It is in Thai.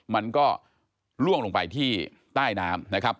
มันก็ล่วงลงไปที่ใต้น้ำนะครับ